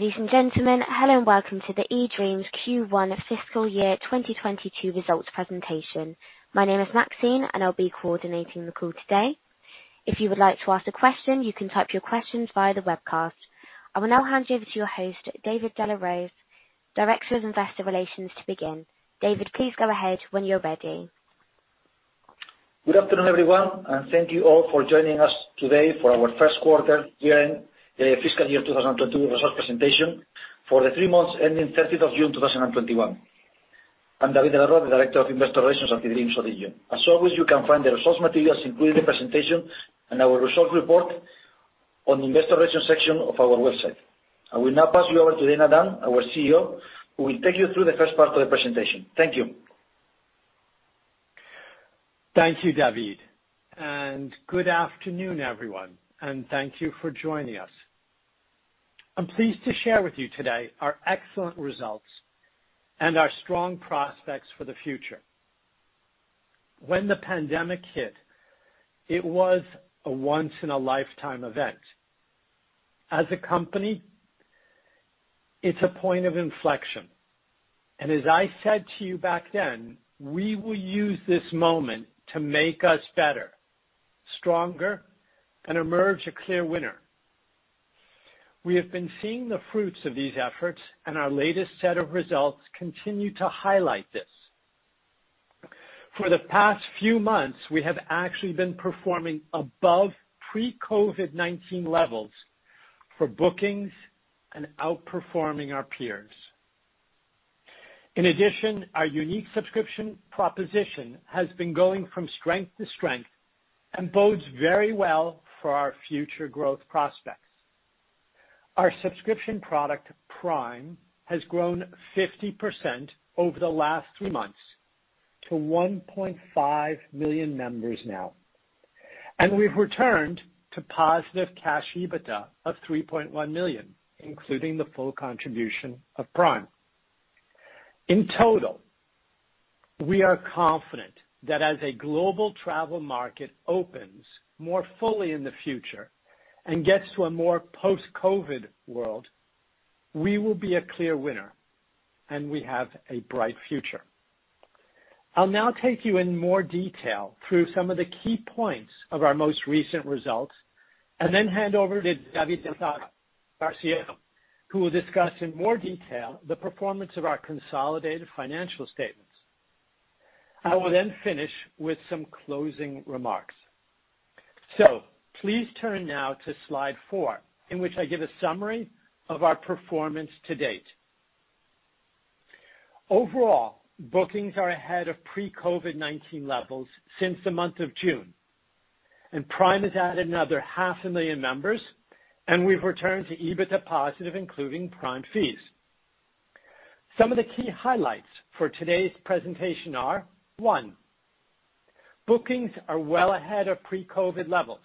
Ladies and gentlemen, hello and welcome to the eDreams Q1 fiscal year 2022 results presentation. My name is Maxine, and I'll be coordinating the call today. If you would like to ask a question, you can type your questions via the webcast. I will now hand you over to your host, David de la Roz, Director of Investor Relations, to begin. David, please go ahead when you're ready. Good afternoon, everyone, and thank you all for joining us today for our first quarter year-end fiscal year 2022 results presentation for the three months ending 30th of June 2021. I'm David de la Roz, the Director of Investor Relations at eDreams ODIGEO. As always, you can find the results materials, including the presentation and our results report, on the investor relations section of our website. I will now pass you over to Dana Dunne, our CEO, who will take you through the first part of the presentation. Thank you. Thank you, David, good afternoon, everyone, and thank you for joining us. I'm pleased to share with you today our excellent results and our strong prospects for the future. When the pandemic hit, it was a once-in-a-lifetime event. As a company, it's a point of inflection, and as I said to you back then, we will use this moment to make us better, stronger, and emerge a clear winner. We have been seeing the fruits of these efforts, and our latest set of results continue to highlight this. For the past few months, we have actually been performing above pre-COVID-19 levels for bookings and outperforming our peers. In addition, our unique subscription proposition has been going from strength to strength and bodes very well for our future growth prospects. Our subscription product, Prime, has grown 50% over the last three months to 1.5 million members now. We've returned to positive Cash EBITDA of 3.1 million, including the full contribution of Prime. In total, we are confident that as a global travel market opens more fully in the future and gets to a more post-COVID world, we will be a clear winner, and we have a bright future. I'll now take you in more detail through some of the key points of our most recent results and then hand over to David Elizaga our CFO, who will discuss in more detail the performance of our consolidated financial statements. I will then finish with some closing remarks. Please turn now to slide four, in which I give a summary of our performance to date. Overall, bookings are ahead of pre-COVID-19 levels since the month of June, and Prime has added another half a million members, and we've returned to EBITDA positive, including Prime fees. Some of the key highlights for today's presentation are, one, bookings are well ahead of pre-COVID levels.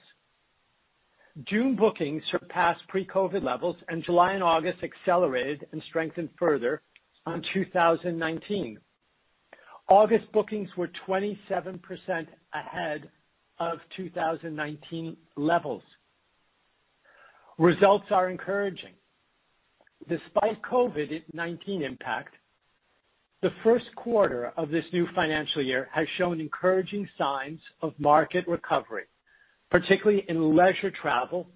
June bookings surpassed pre-COVID levels. July and August accelerated and strengthened further on 2019. August bookings were 27% ahead of 2019 levels. Results are encouraging. Despite COVID-19 impact, the first quarter of this new financial year has shown encouraging signs of market recovery, particularly in leisure travel,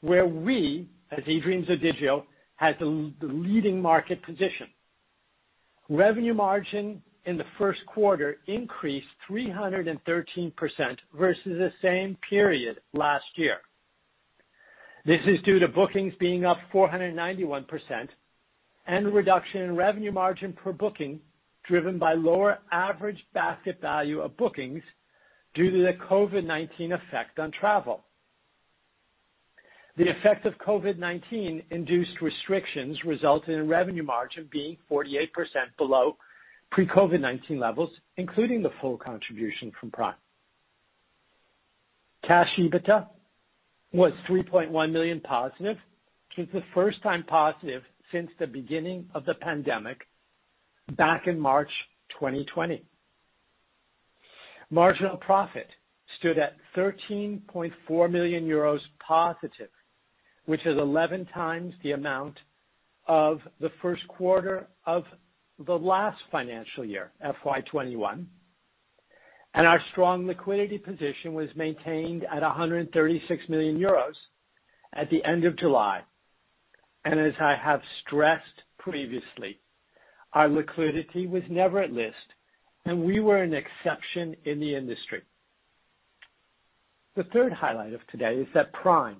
where we, as eDreams ODIGEO, had the leading market position. Revenue Margin in the first quarter increased 313% versus the same period last year. This is due to bookings being up 491% and a reduction in Revenue Margin per Booking driven by lower average basket value of bookings due to the COVID-19 effect on travel. The effect of COVID-19-induced restrictions resulted in Revenue Margin being 48% below pre-COVID-19 levels, including the full contribution from Prime. Cash EBITDA was 3.1 million+, which is the first time positive since the beginning of the pandemic back in March 2020. Marginal Profit stood at 13.4 million euros+, which is 11x the amount of the first quarter of the last financial year, FY 2021. Our strong liquidity position was maintained at 136 million euros at the end of July. As I have stressed previously, our liquidity was never at risk, and we were an exception in the industry. The third highlight of today is that Prime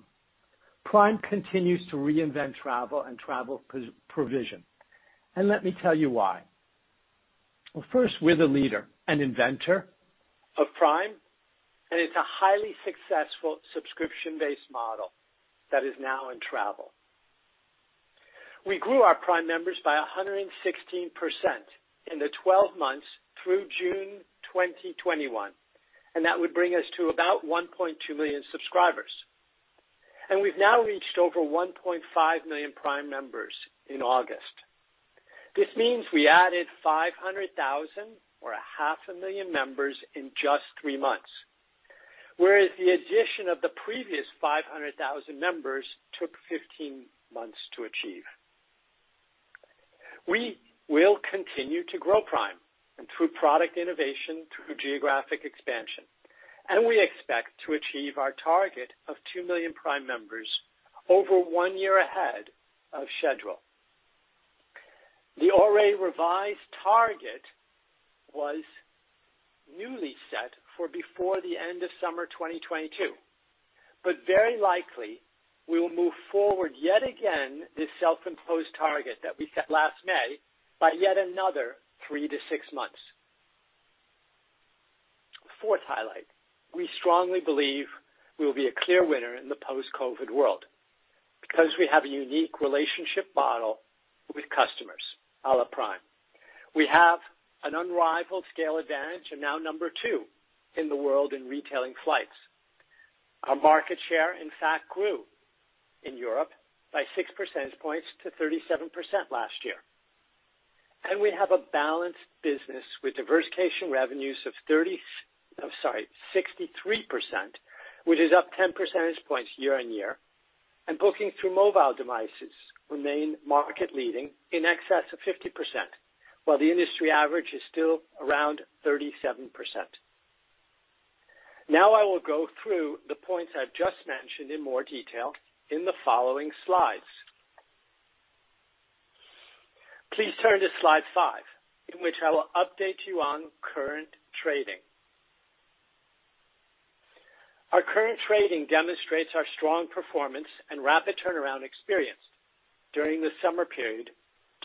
continues to reinvent travel and travel provision. Let me tell you why. Well, first, we're the leader and inventor of Prime. It's a highly successful subscription-based model that is now in travel. We grew our Prime members by 116% in the 12 months through June 2021. That would bring us to about 1.2 million subscribers. We've now reached over 1.5 million Prime members in August. This means we added 500,000 or a half a million members in just three months, whereas the addition of the previous 500,000 members took 15 months to achieve. We will continue to grow Prime and through product innovation, through geographic expansion, and we expect to achieve our target of 2 million Prime members over one year ahead of schedule. The already revised target was newly set for before the end of summer 2022, but very likely, we will move forward yet again, this self-imposed target that we set last May by yet another three-six months. Fourth highlight, we strongly believe we will be a clear winner in the post-COVID world because we have a unique relationship model with customers, à la Prime. We have an unrivaled scale advantage and now number two in the world in retailing flights. Our market share, in fact, grew in Europe by 6% points to 37% last year. We have a balanced business with diversification revenues of 63%, which is up 10 percentage points year-over-year, and bookings through mobile devices remain market leading in excess of 50%, while the industry average is still around 37%. I will go through the points I've just mentioned in more detail in the following slides. Please turn to slide five, in which I will update you on current trading. Our current trading demonstrates our strong performance and rapid turnaround experience during the summer period,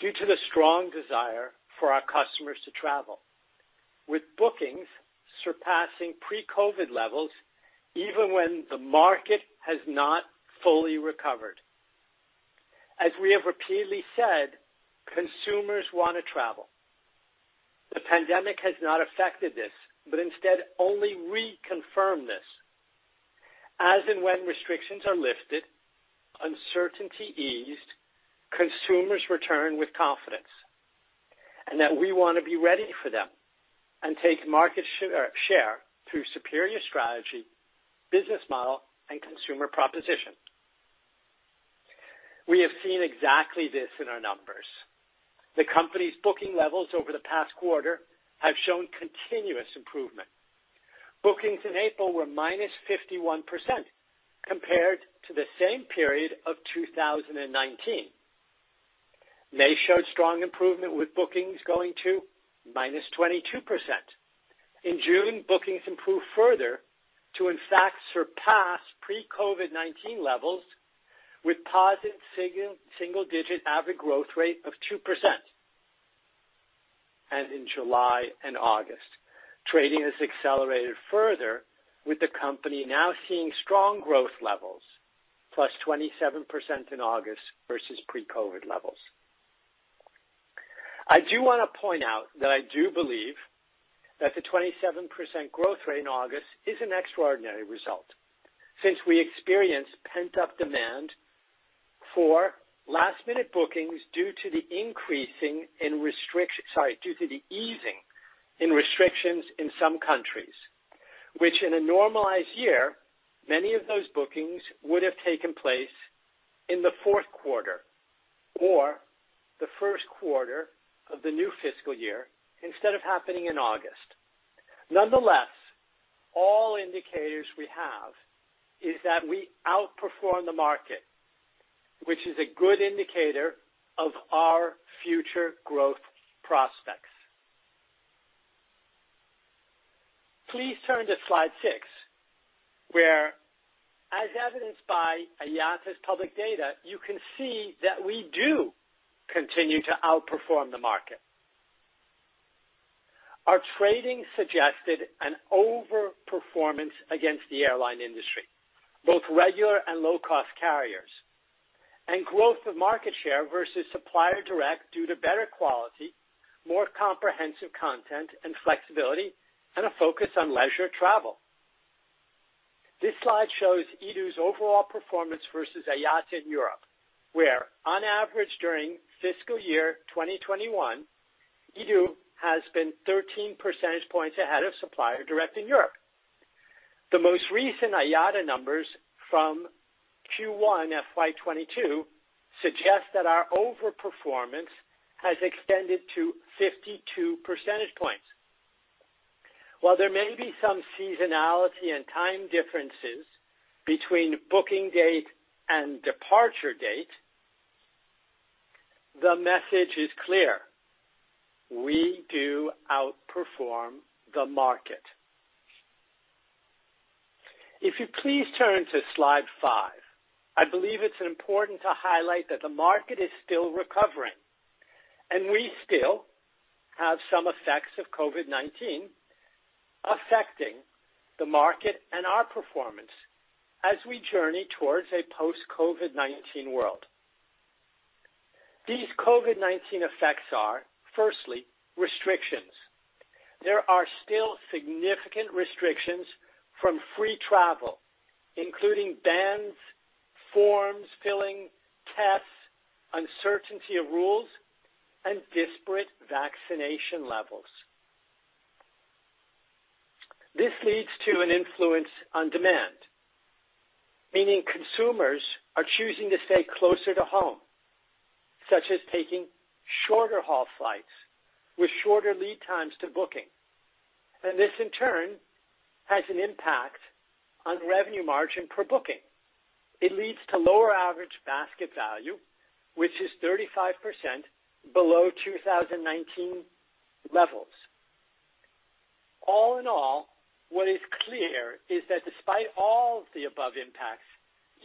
due to the strong desire for our customers to travel, with bookings surpassing pre-COVID-19 levels, even when the market has not fully recovered. As we have repeatedly said, consumers want to travel. The pandemic has not affected this, instead only reconfirmed this. As and when restrictions are lifted, uncertainty eased, consumers return with confidence, and that we want to be ready for them and take market share through superior strategy, business model, and consumer proposition. We have seen exactly this in our numbers. The company's booking levels over the past quarter have shown continuous improvement. Bookings in April were -51% compared to the same period of 2019. May showed strong improvement, with bookings going to -22%. In June, bookings improved further to in fact surpass pre-COVID-19 levels, with positive single-digit average growth rate of 2%. In July and August, trading has accelerated further, with the company now seeing strong growth levels, +27% in August versus pre-COVID levels. I do want to point out that I do believe that the 27% growth rate in August is an extraordinary result, since we experienced pent-up demand for last-minute bookings due to the easing in restrictions in some countries, which in a normalized year, many of those bookings would have taken place in the fourth quarter or the first quarter of the new fiscal year instead of happening in August. Nonetheless, all indicators we have is that we outperform the market, which is a good indicator of our future growth prospects. Please turn to slide six, where as evidenced by IATA's public data, you can see that we do continue to outperform the market. Our trading suggested an over-performance against the airline industry, both regular and low-cost carriers, and growth of market share versus supplier direct due to better quality, more comprehensive content and flexibility, and a focus on leisure travel. This slide shows eDO overall performance versus IATA in Europe, where on average during fiscal year 2021, eDO has been 13 percentage points ahead of supplier direct in Europe. The most recent IATA numbers from Q1 FY 2022 suggest that our over-performance has extended to 52 percentage points. While there may be some seasonality and time differences between booking date and departure date, the message is clear. We do outperform the market. If you please turn to slide five, I believe it's important to highlight that the market is still recovering, and we still have some effects of COVID-19 affecting the market and our performance as we journey towards a post-COVID-19 world. These COVID-19 effects are, firstly, restrictions. There are still significant restrictions from free travel, including bans, forms filling, tests, uncertainty of rules, and disparate vaccination levels. This leads to an influence on demand, meaning consumers are choosing to stay closer to home, such as taking shorter-haul flights with shorter lead times to booking. This in turn has an impact on Revenue Margin per Booking. It leads to lower average basket value, which is 35% below 2019 levels. All in all, what is clear is that despite all the above impacts,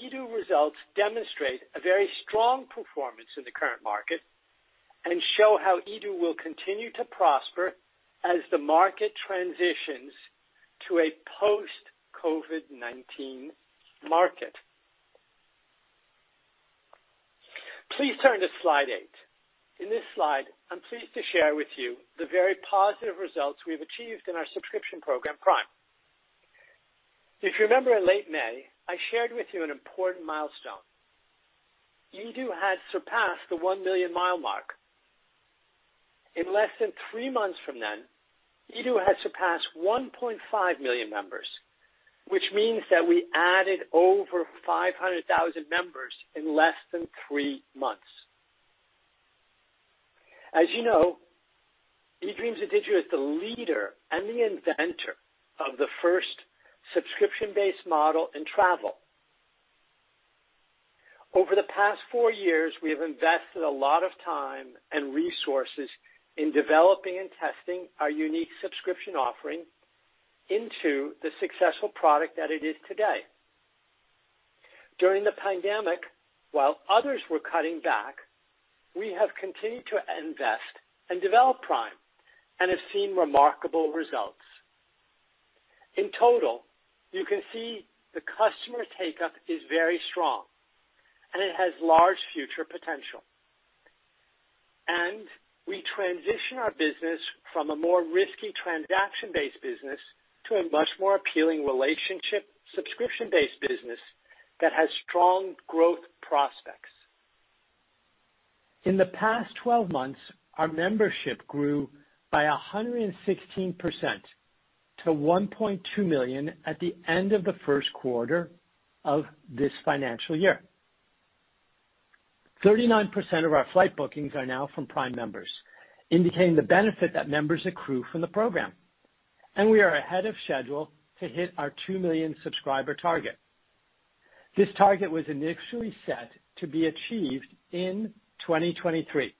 eDO results demonstrate a very strong performance in the current market, and show how eDO will continue to prosper as the market transitions to a post-COVID-19 market. Please turn to slide eight. In this slide, I'm pleased to share with you the very positive results we've achieved in our subscription program, Prime. If you remember in late May, I shared with you an important milestone. eDO had surpassed the 1 million mile mark. In less than three months from then, eDO had surpassed 1.5 million members, which means that we added over 500,000 members in less than three months. As you know, eDO is the leader and the inventor of the first subscription-based model in travel. Over the past four years, we have invested a lot of time and resources in developing and testing our unique subscription offering into the successful product that it is today. During the pandemic, while others were cutting back, we have continued to invest and develop Prime and have seen remarkable results. In total, you can see the customer take-up is very strong, and it has large future potential. We transition our business from a more risky transaction-based business to a much more appealing relationship subscription-based business that has strong growth prospects. In the past 12 months, our membership grew by 116% to 1.2 million at the end of the first quarter of this financial year. 39% of our flight bookings are now from Prime members, indicating the benefit that members accrue from the program. We are ahead of schedule to hit our 2 million subscriber target. This target was initially set to be achieved in 2023.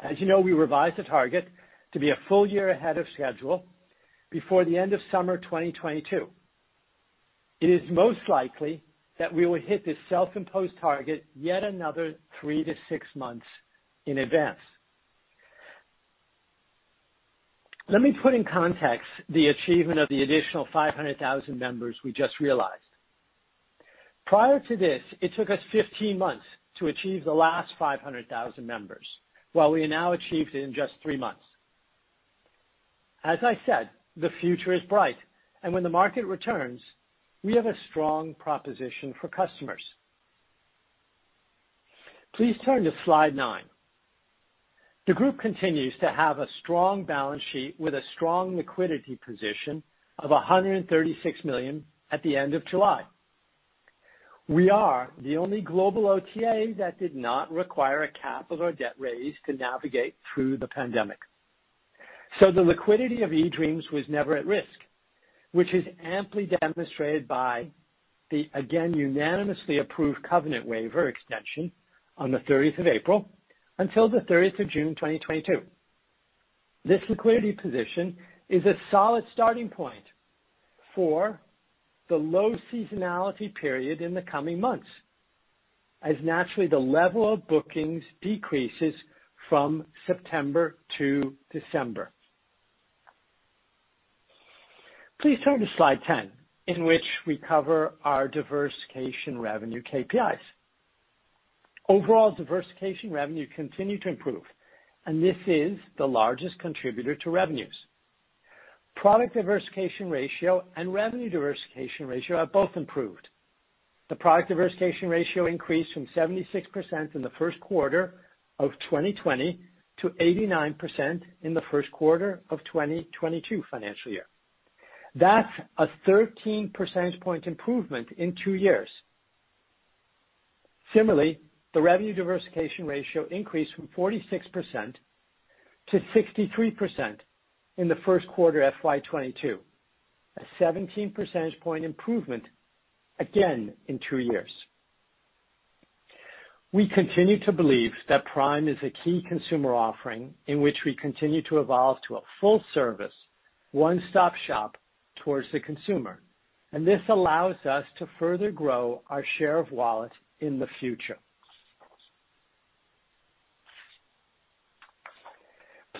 As you know, we revised the target to be a full year ahead of schedule before the end of summer 2022. It is most likely that we will hit this self-imposed target yet another three to six months in advance. Let me put in context the achievement of the additional 500,000 members we just realized. Prior to this, it took us 15 months to achieve the last 500,000 members, while we now achieved it in just three months. As I said, the future is bright, and when the market returns, we have a strong proposition for customers. Please turn to slide nine. The group continues to have a strong balance sheet with a strong liquidity position of 136 million at the end of July. We are the only global OTA that did not require a capital or debt raise to navigate through the pandemic. The liquidity of eDreams was never at risk, which is amply demonstrated by the, again, unanimously approved covenant waiver extension on the 30th of April until the 30th of June 2022. This liquidity position is a solid starting point for the low seasonality period in the coming months as naturally the level of bookings decreases from September to December. Please turn to slide 10, in which we cover our diversification revenue KPIs. Overall diversification revenue continued to improve, this is the largest contributor to revenues. Product Diversification Ratio and Revenue Diversification Ratio have both improved. The Product Diversification Ratio increased from 76% in the first quarter of 2020 to 89% in the first quarter of 2022 financial year. That's a 13 percentage point improvement in two years. Similarly, the Revenue Diversification Ratio increased from 46% to 63% in the first quarter FY 2022, a 17 percentage point improvement, again, in two years. We continue to believe that Prime is a key consumer offering in which we continue to evolve to a full service, one-stop shop towards the consumer, this allows us to further grow our share of wallet in the future.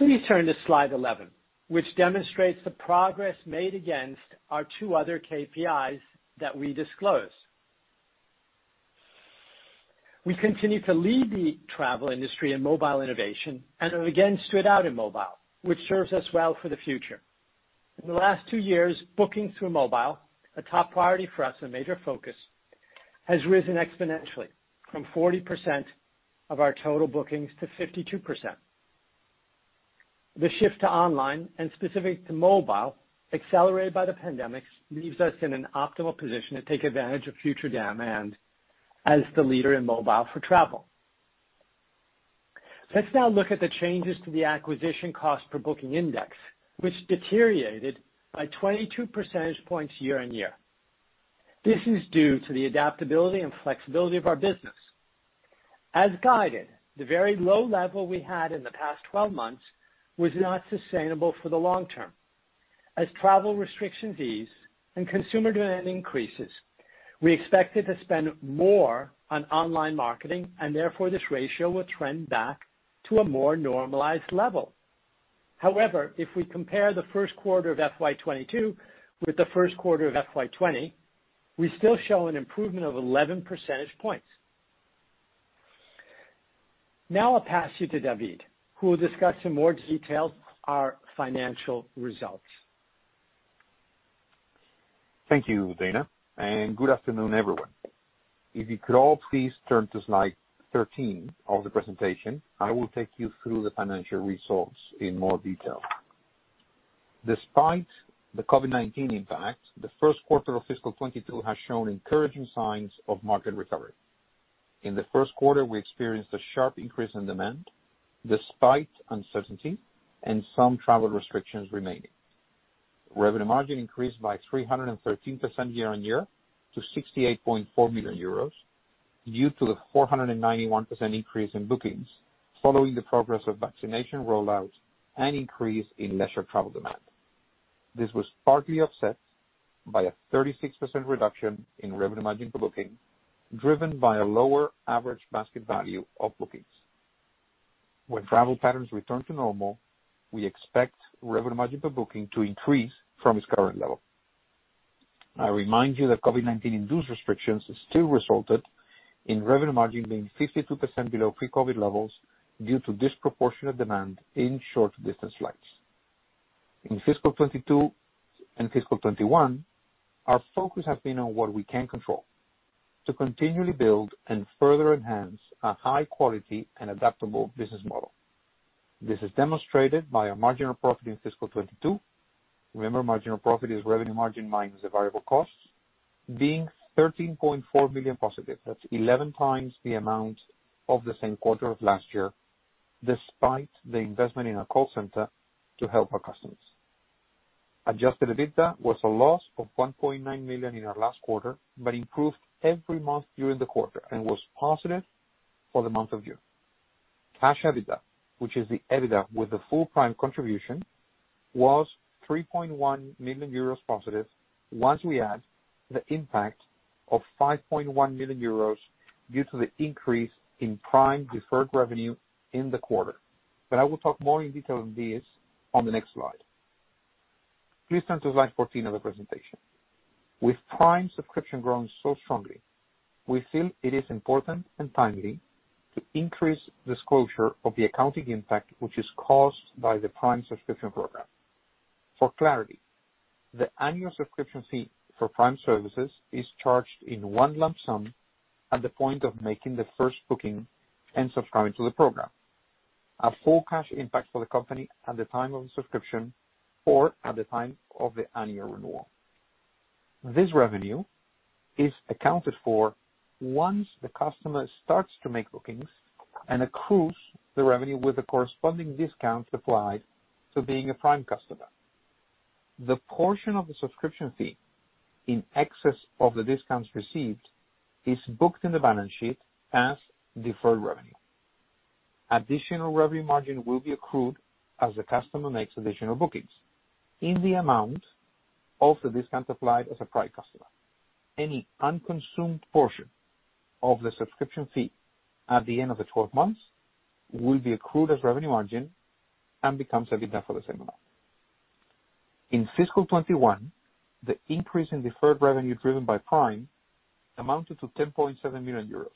Please turn to slide 11, which demonstrates the progress made against our two other KPIs that we disclose. We continue to lead the travel industry in mobile innovation and have again stood out in mobile, which serves us well for the future. In the last two years, bookings through mobile, a top priority for us, a major focus, has risen exponentially from 40% of our total bookings to 52%. The shift to online and specific to mobile, accelerated by the pandemic, leaves us in an optimal position to take advantage of future demand as the leader in mobile for travel. Let's now look at the changes to the acquisition cost per booking index, which deteriorated by 22 percentage points year-on-year. This is due to the adaptability and flexibility of our business. As guided, the very low level we had in the past 12 months was not sustainable for the long term. As travel restriction ease and consumer demand increases, we expected to spend more on online marketing, and therefore, this ratio will trend back to a more normalized level. However, if we compare the first quarter of FY 2022 with the first quarter of FY 2020, we still show an improvement of 11 percentage points. Now I'll pass you to David, who will discuss in more detail our financial results. Thank you, Dana. Good afternoon, everyone. If you could all please turn to slide 13 of the presentation, I will take you through the financial results in more detail. Despite the COVID-19 impact, the first quarter of fiscal 2022 has shown encouraging signs of market recovery. In the first quarter, we experienced a sharp increase in demand, despite uncertainty and some travel restrictions remaining. Revenue Margin increased by 313% year-on-year to 68.4 million euros due to the 491% increase in bookings following the progress of vaccination rollout and increase in leisure travel demand. This was partly offset by a 36% reduction in Revenue Margin per Booking, driven by a lower average basket value of bookings. When travel patterns return to normal, we expect Revenue Margin per Booking to increase from its current level. I remind you that COVID-19-induced restrictions still resulted in Revenue Margin being 52% below pre-COVID levels due to disproportionate demand in short-distance flights. In fiscal 2022 and fiscal 2021, our focus has been on what we can control, to continually build and further enhance a high-quality and adaptable business model. This is demonstrated by our Marginal Profit in fiscal 2022. Remember, Marginal Profit is Revenue Margin minus the variable costs, being 13.4 million positive. That's 11x the amount of the same quarter of last year, despite the investment in our call center to help our customers. Adjusted EBITDA was a loss of 1.9 million in our last quarter, but improved every month during the quarter and was positive for the month of June. Cash EBITDA, which is the EBITDA with the full Prime contribution, was 3.1 million euros positive once we add the impact of 5.1 million euros due to the increase in Prime deferred revenue in the quarter. I will talk more in detail on this on the next slide. Please turn to slide 14 of the presentation. With Prime subscription growing so strongly, we feel it is important and timely to increase disclosure of the accounting impact, which is caused by the Prime subscription program. For clarity, the annual subscription fee for Prime services is charged in one lump sum at the point of making the first booking and subscribing to the program. A full cash impact for the company at the time of subscription or at the time of the annual renewal. This revenue is accounted for once the customer starts to make bookings and accrues the revenue with the corresponding discounts applied to being a Prime customer. The portion of the subscription fee in excess of the discounts received is booked in the balance sheet as deferred revenue. Additional Revenue Margin will be accrued as the customer makes additional bookings in the amount of the discount applied as a Prime customer. Any unconsumed portion of the subscription fee at the end of the 12 months will be accrued as Revenue Margin and becomes EBITDA for the same amount. In fiscal 2021, the increase in deferred revenue driven by Prime amounted to 10.7 million euros,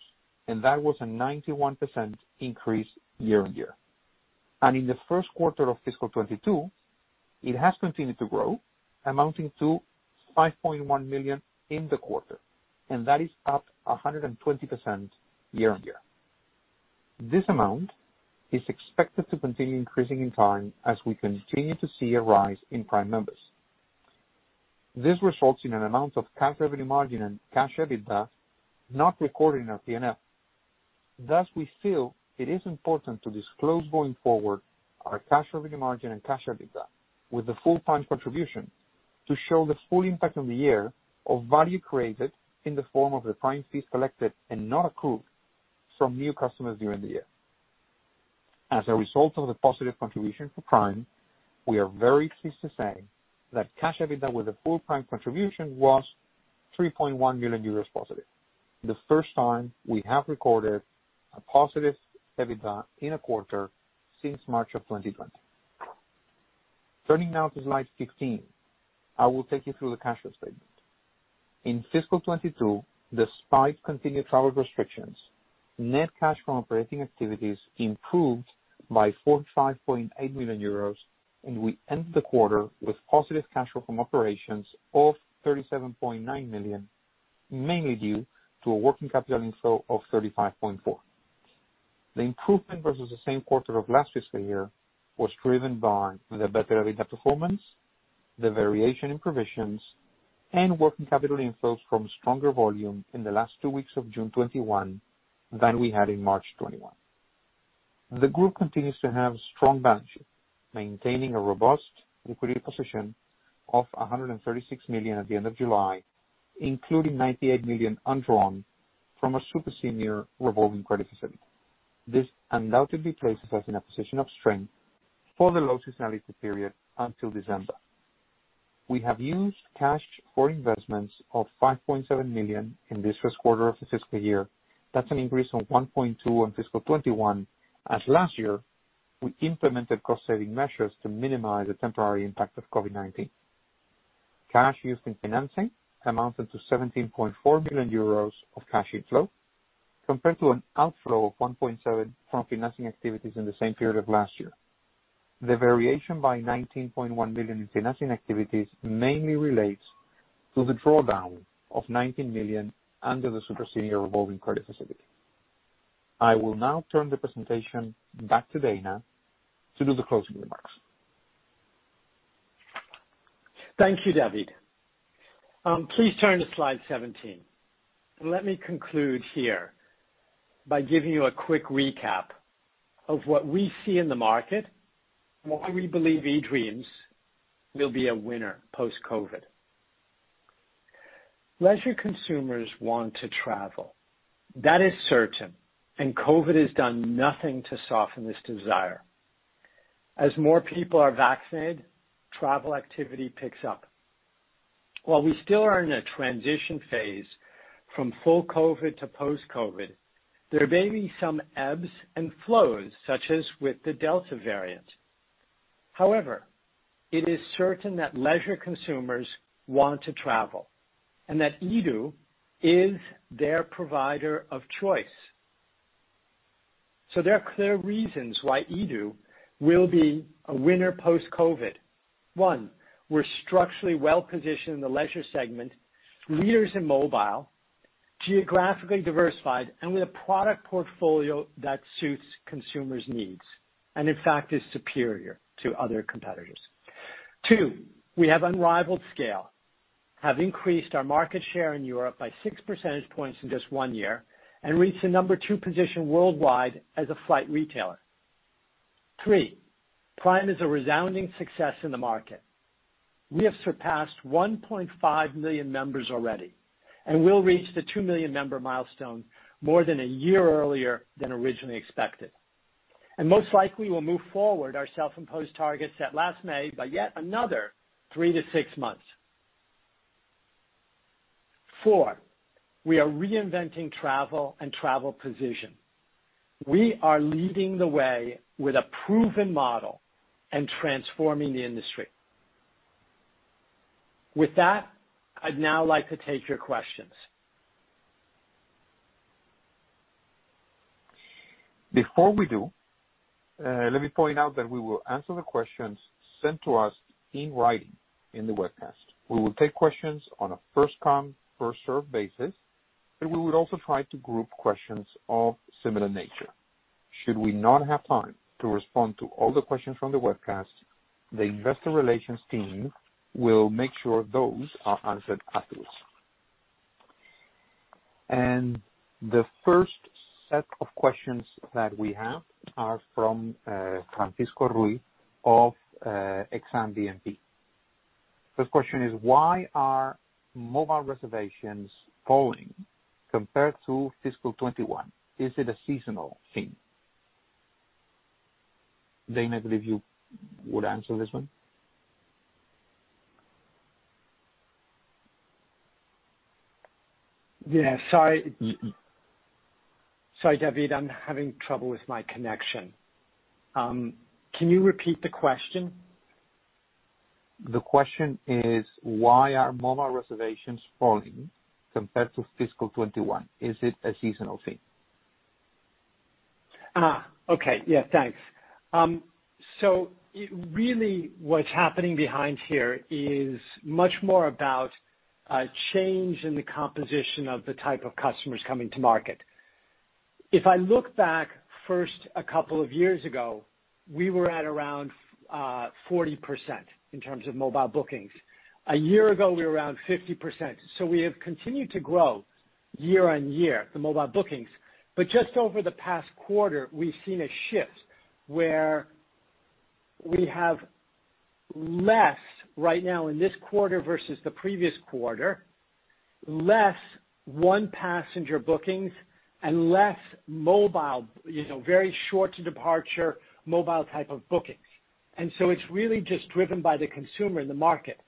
and that was a 91% increase year-on-year. In the first quarter of fiscal 2022, it has continued to grow, amounting to 5.1 million in the quarter, and that is up 120% year-on-year. This amount is expected to continue increasing in time as we continue to see a rise in Prime members. This results in an amount of cash revenue margin and cash EBITDA not recorded in our P&L. Thus, we feel it is important to disclose going forward our cash revenue margin and cash EBITDA with the full Prime contribution to show the full impact on the year of value created in the form of the Prime fees collected and not accrued from new customers during the year. As a result of the positive contribution for Prime, we are very pleased to say that cash EBITDA with the full Prime contribution was 3.1 million euros+, the first time we have recorded a positive EBITDA in a quarter since March of 2020. Turning now to slide 15, I will take you through the cash flow statement. In fiscal 2022, despite continued travel restrictions, net cash from operating activities improved by 45.8 million euros, and we ended the quarter with positive cash flow from operations of 37.9 million, mainly due to a working capital inflow of 35.4 million. The improvement versus the same quarter of last fiscal year was driven by the better EBITDA performance, the variation in provisions, and working capital inflows from stronger volume in the last two weeks of June 2021 than we had in March 2021. The group continues to have strong balance sheet, maintaining a robust liquidity position of 136 million at the end of July, including 98 million undrawn from a super senior revolving credit facility. This undoubtedly places us in a position of strength for the low seasonality period until December. We have used cash for investments of 5.7 million in this first quarter of the fiscal year. That's an increase from 1.2 in fiscal 2021, as last year we implemented cost-saving measures to minimize the temporary impact of COVID-19. Cash used in financing amounted to 17.4 million euros of cash inflow, compared to an outflow of 1.7 from financing activities in the same period of last year. The variation by 19.1 million in financing activities mainly relates to the drawdown of 19 million under the super senior revolving credit facility. I will now turn the presentation back to Dana to do the closing remarks. Thank you, David. Please turn to slide 17. Let me conclude here by giving you a quick recap of what we see in the market and why we believe eDreams will be a winner post-COVID. Leisure consumers want to travel. That is certain, and COVID has done nothing to soften this desire. As more people are vaccinated, travel activity picks up. While we still are in a transition phase from full COVID to post-COVID, there may be some ebbs and flows, such as with the Delta variant. However, it is certain that leisure consumers want to travel, and that eDO is their provider of choice. There are clear reasons why eDO will be a winner post-COVID. One. We're structurally well-positioned in the leisure segment, leaders in mobile, geographically diversified, and with a product portfolio that suits consumers' needs, and in fact, is superior to other competitors. Two, we have unrivaled scale, have increased our market share in Europe by 6 percentage points in just one year, and reached the number two position worldwide as a flight retailer. Three, Prime is a resounding success in the market. We have surpassed 1.5 million members already, and will reach the 2 million member milestone more than a year earlier than originally expected. Most likely, we'll move forward our self-imposed targets set last May by yet another three-six months. Four, we are reinventing travel and travel precision. We are leading the way with a proven model and transforming the industry. With that, I'd now like to take your questions. Before we do, let me point out that we will answer the questions sent to us in writing in the webcast. We will take questions on a first come, first served basis, and we will also try to group questions of similar nature. Should we not have time to respond to all the questions from the webcast, the Investor Relations team will make sure those are answered afterwards. The first set of questions that we have are from Francisco Ruiz of Exane BNP. First question is, why are mobile reservations falling compared to fiscal 2021? Is it a seasonal thing? Dana, believe you would answer this one. Yeah. Sorry, David, I'm having trouble with my connection. Can you repeat the question? The question is, why are mobile reservations falling compared to fiscal 2021? Is it a seasonal thing? Okay. Yeah, thanks. Really what's happening behind here is much more about a change in the composition of the type of customers coming to market. If I look back first a couple of years ago, we were at around 40% in terms of mobile bookings. A year ago, we were around 50%. We have continued to grow year-over-year, the mobile bookings. Just over the past quarter, we've seen a shift where we have less right now in this quarter versus the previous quarter, less one passenger bookings and less mobile, very short to departure mobile type of bookings. It's really just driven by the consumer in the market.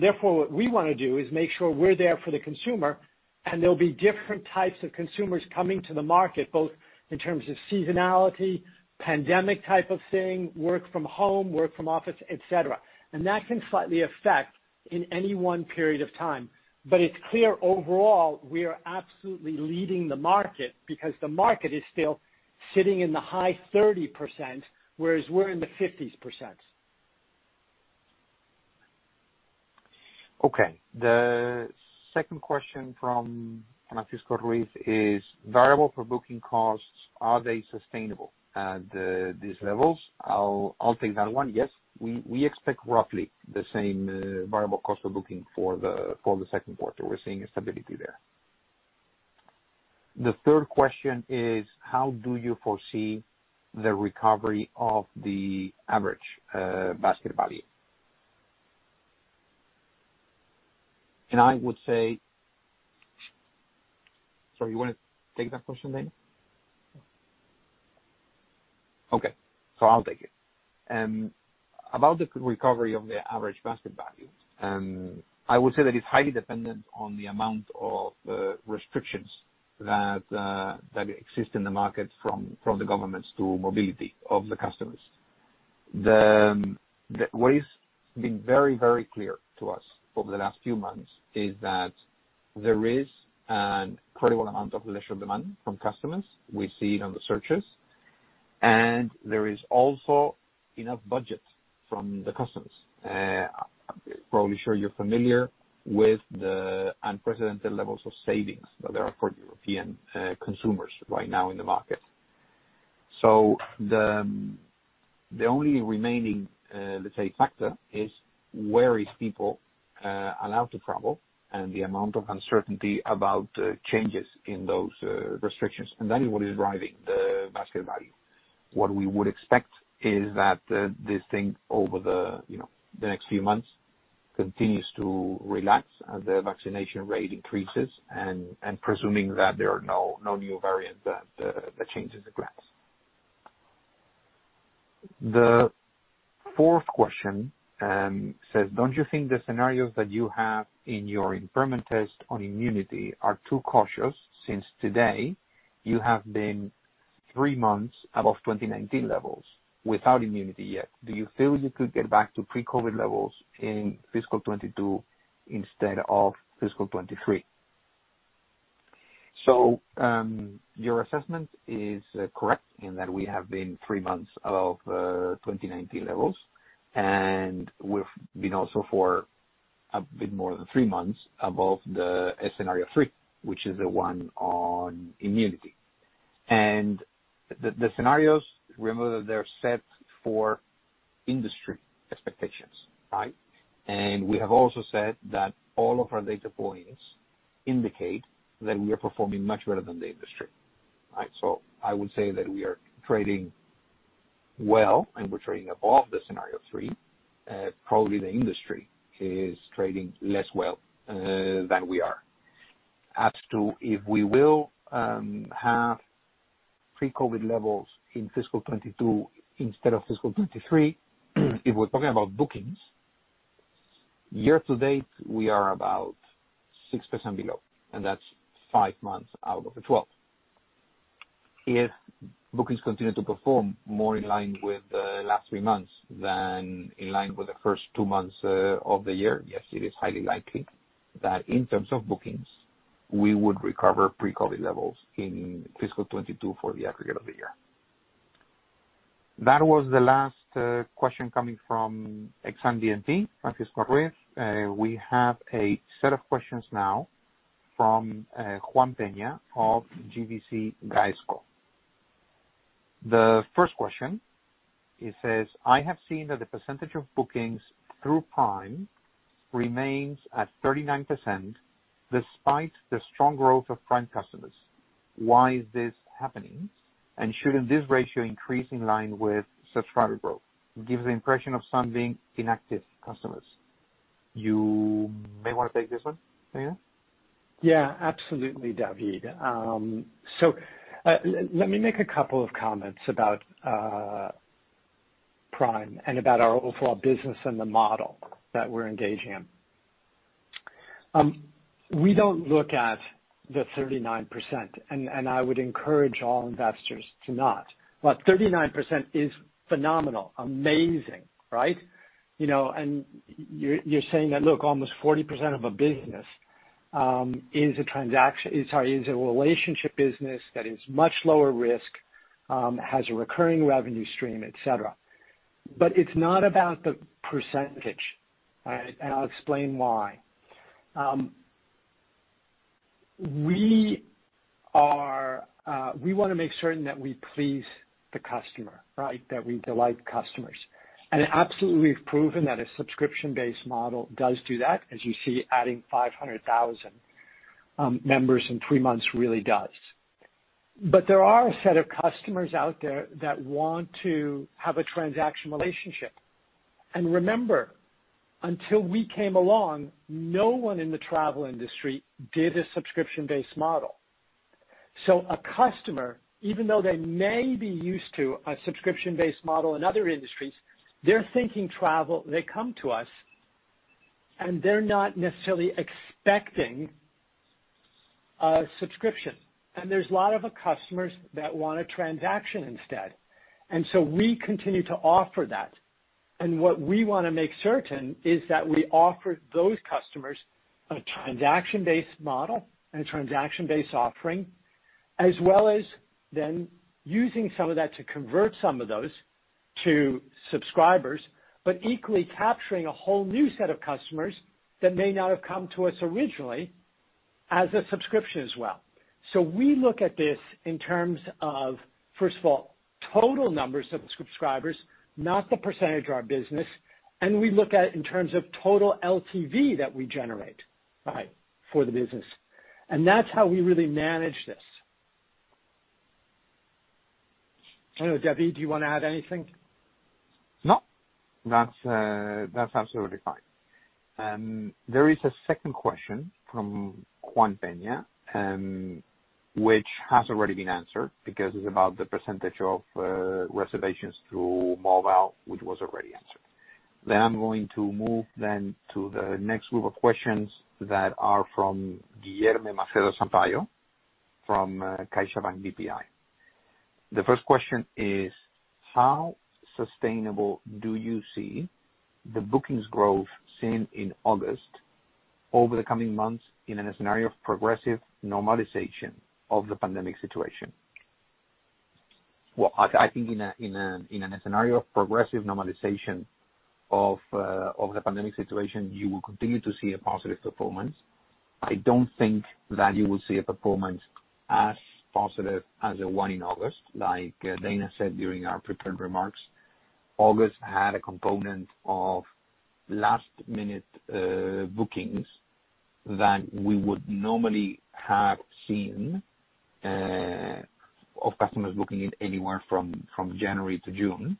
Therefore, what we want to do is make sure we're there for the consumer, and there'll be different types of consumers coming to the market, both in terms of seasonality, pandemic type of thing, work from home, work from office, et cetera. That can slightly affect in any one period of time. It's clear overall, we are absolutely leading the market because the market is still sitting in the high 30%, whereas we're in the 50s%. Okay. The second question from Francisco Ruiz is, variable per booking costs, are they sustainable at these levels? I'll take that one. Yes. We expect roughly the same variable cost of booking for the second quarter. We are seeing a stability there. The third question is, how do you foresee the recovery of the average basket value? Sorry, you want to take that question, then? Okay. I'll take it. About the recovery of the average basket value, I would say that it is highly dependent on the amount of restrictions that exist in the market from the governments to mobility of the customers. What has been very clear to us over the last few months is that there is an incredible amount of leisure demand from customers. We see it on the searches. There is also enough budget from the customers. Probably sure you're familiar with the unprecedented levels of savings that there are for European consumers right now in the market. The only remaining, let's say, factor is where is people allowed to travel and the amount of uncertainty about changes in those restrictions, and that is what is driving the basket value. What we would expect is that this thing over the next few months continues to relax as the vaccination rate increases and presuming that there are no new variant that changes the graphs. The fourth question says, don't you think the scenarios that you have in your impairment test on immunity are too cautious since today you have been three months above 2019 levels without immunity yet? Do you feel you could get back to pre-COVID levels in FY 2022 instead of FY 2023? Your assessment is correct in that we have been three months above 2019 levels, and we’ve been also for a bit more than three months above the scenario three, which is the one on immunity. The scenarios, remember that they’re set for industry expectations, right? We have also said that all of our data points indicate that we are performing much better than the industry. Right? I would say that we are trading well, and we’re trading above the scenario three. Probably the industry is trading less well than we are. As to if we will have pre-COVID levels in fiscal 2022 instead of fiscal 2023, if we’re talking about bookings, year to date, we are about 6% below, and that’s five months out of the 12. If bookings continue to perform more in line with the last three months than in line with the first two months of the year, yes, it is highly likely that in terms of bookings, we would recover pre-COVID levels in FY 2022 for the aggregate of the year. That was the last question coming from Exane BNP, Francisco Ruiz. We have a set of questions now from Juan Peña of GVC Gaesco. The first question, it says, I have seen that the percentage of bookings through Prime remains at 39% despite the strong growth of Prime customers. Why is this happening? Shouldn't this ratio increase in line with subscriber growth? Gives the impression of some being inactive customers. You may want to take this one, Dana? Yeah, absolutely, David. Let me make a couple of comments about Prime and about our overall business and the model that we're engaging in. We don't look at the 39%, and I would encourage all investors to not. 39% is phenomenal, amazing. You're saying that, look, almost 40% of a business is a relationship business that is much lower risk, has a recurring revenue stream, et cetera. It's not about the percentage. I'll explain why. We want to make certain that we please the customer. That we delight customers. Absolutely, we've proven that a subscription-based model does do that, as you see, adding 500,000 members in three months really does. There are a set of customers out there that want to have a transaction relationship. Remember, until we came along, no one in the travel industry did a subscription-based model. A customer, even though they may be used to a subscription-based model in other industries, they're thinking travel, they come to us, and they're not necessarily expecting a subscription. There's a lot of customers that want a transaction instead. We continue to offer that. What we want to make certain is that we offer those customers a transaction-based model and a transaction-based offering. As well as then using some of that to convert some of those to subscribers, but equally capturing a whole new set of customers that may not have come to us originally as a subscription as well. We look at this in terms of, first of all, total numbers of subscribers, not the percentage of our business. We look at it in terms of total LTV that we generate for the business. That's how we really manage this. I don't know, David, do you want to add anything? No. That's absolutely fine. There is a second question from Juan Peña, which has already been answered because it's about the percentage of reservations through mobile, which was already answered. I'm going to move then to the next group of questions that are from Guilherme Macedo Sampaio from CaixaBank BPI. The first question is, "How sustainable do you see the bookings growth seen in August over the coming months in a scenario of progressive normalization of the pandemic situation?" Well, I think in a scenario of progressive normalization of the pandemic situation, you will continue to see a positive performance. I don't think that you will see a performance as positive as the one in August. Like Dana said during our prepared remarks, August had a component of last-minute bookings that we would normally have seen of customers booking it anywhere from January to June,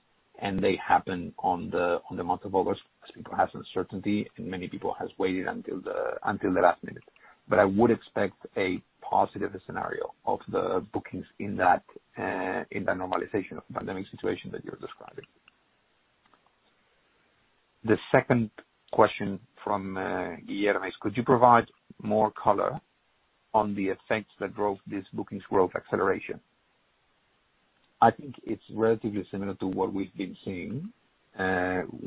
they happened on the month of August as people had uncertainty, and many people has waited until the last minute. I would expect a positive scenario of the bookings in the normalization of the pandemic situation that you're describing. The second question from Guilherme is, "Could you provide more color on the effects that drove this bookings growth acceleration?" I think it's relatively similar to what we've been seeing,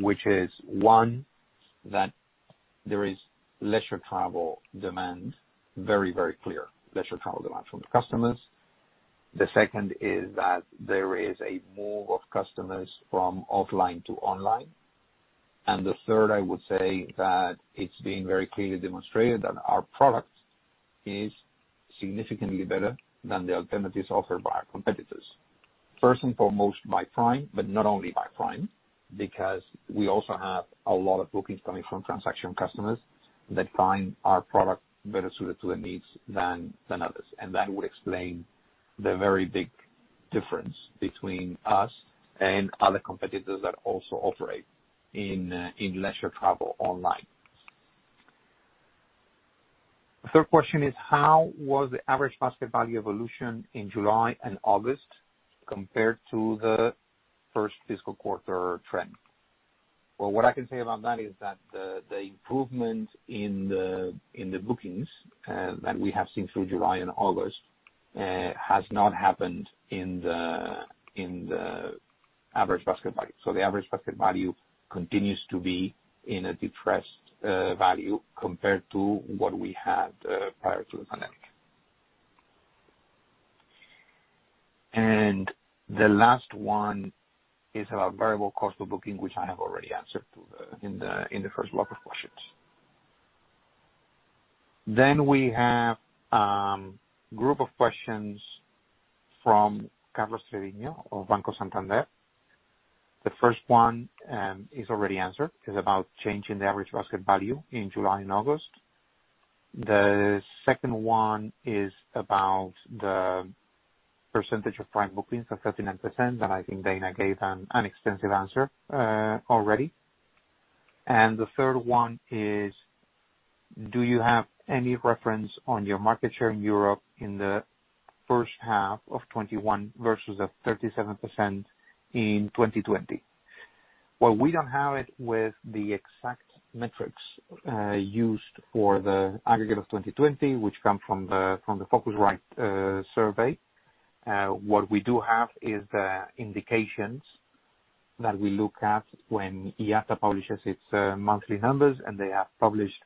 which is, one, that there is leisure travel demand, very clear leisure travel demand from the customers. The second is that there is a move of customers from offline to online. The third, I would say that it's been very clearly demonstrated that our product is significantly better than the alternatives offered by our competitors. First and foremost, by Prime, but not only by Prime, because we also have a lot of bookings coming from transaction customers that find our product better suited to their needs than others. That would explain the very big difference between us and other competitors that also operate in leisure travel online. Third question is, "How was the average basket value evolution in July and August compared to the first fiscal quarter trend?" Well, what I can say about that is that the improvement in the bookings that we have seen through July and August has not happened in the average basket value. The average basket value continues to be in a depressed value compared to what we had prior to the pandemic. The last one is about variable cost of booking, which I have already answered in the first lot of questions. We have a group of questions from Carlos Cedeño of Banco Santander. The first one is already answered. It's about change in the average basket value in July and August. The second one is about the percentage of Prime bookings of 39%, and I think Dana gave an extensive answer already. The third one is, "Do you have any reference on your market share in Europe in the first half of 2021 versus the 37% in 2020?" Well, we don't have it with the exact metrics used for the aggregate of 2020, which come from the Phocuswright survey. What we do have is indications that we look at when IATA publishes its monthly numbers, and they have published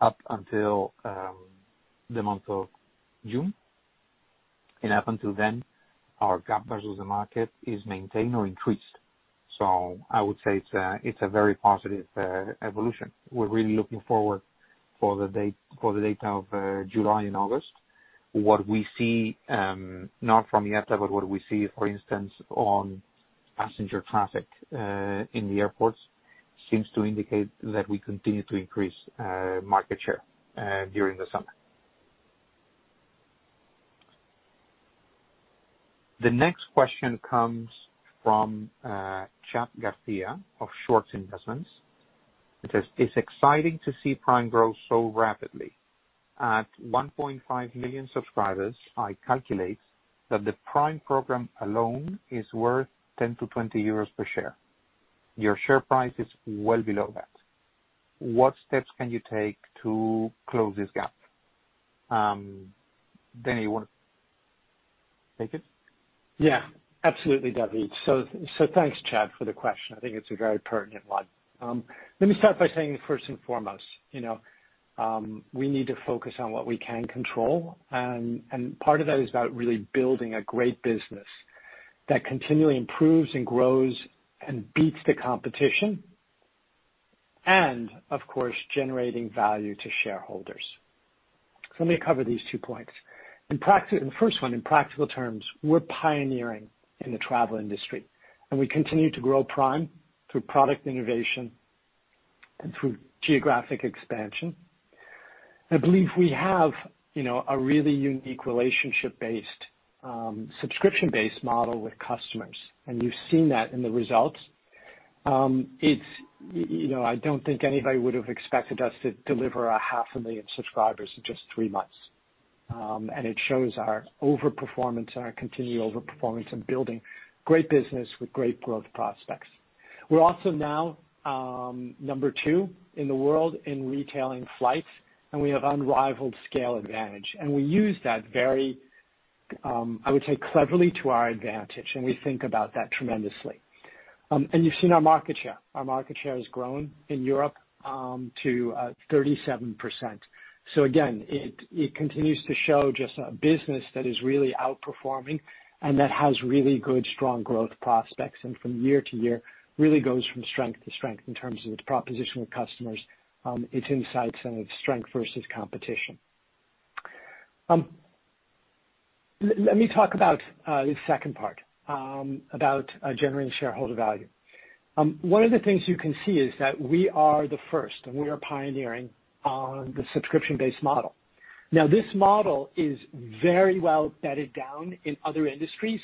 up until the month of June. Up until then, our gap versus the market is maintained or increased. I would say it's a very positive evolution. We're really looking forward for the data of July and August. What we see, not from IATA, but what we see, for instance, on passenger traffic in the airports seems to indicate that we continue to increase market share during the summer. The next question comes from Chad Garcia of Short Investments. It says, "It's exciting to see Prime grow so rapidly. At 1.5 million subscribers, I calculate that the Prime program alone is worth 10-20 euros per share. Your share price is well below that. What steps can you take to close this gap?" Dana Dunne, you want to take it? Absolutely, David. Thanks, Chad, for the question. I think it's a very pertinent one. Let me start by saying first and foremost, we need to focus on what we can control, and part of that is about really building a great business that continually improves and grows and beats the competition, and of course, generating value to shareholders. Let me cover these two points. The first one, in practical terms, we're pioneering in the travel industry, and we continue to grow Prime through product innovation and through geographic expansion. I believe we have a really unique relationship-based, subscription-based model with customers, and you've seen that in the results. I don't think anybody would've expected us to deliver a half a million subscribers in just three months. It shows our overperformance and our continued overperformance in building great business with great growth prospects. We're also now number two in the world in retailing flights, and we have unrivaled scale advantage. We use that very, I would say, cleverly to our advantage, and we think about that tremendously. You've seen our market share. Our market share has grown in Europe to 37%. Again, it continues to show just a business that is really outperforming and that has really good, strong growth prospects. From year to year, really goes from strength to strength in terms of its proposition with customers, its insights, and its strength versus competition. Let me talk about the second part, about generating shareholder value. One of the things you can see is that we are the first, and we are pioneering on the subscription-based model. Now, this model is very well bedded down in other industries.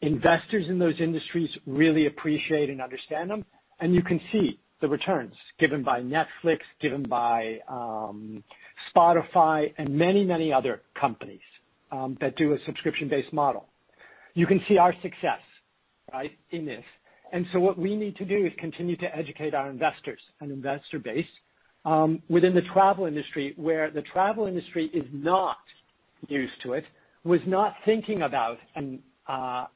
Investors in those industries really appreciate and understand them, and you can see the returns given by Netflix, given by Spotify, and many other companies that do a subscription-based model. You can see our success in this. What we need to do is continue to educate our investors and investor base within the travel industry, where the travel industry is not used to it, was not thinking about an